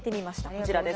こちらです。